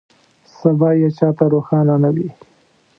سبا یې چا ته روښانه نه وي.